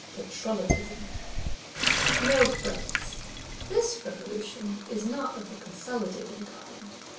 Patrollotism. No, Friends, this Revolution is not of the consolidating kind.